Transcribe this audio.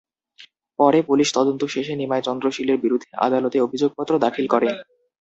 পরে পুলিশ তদন্ত শেষে নিমাই চন্দ্র শীলের বিরুদ্ধে আদালতে অভিযোগপত্র দাখিল করে।